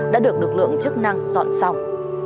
đã được lực lượng chức năng dọn xong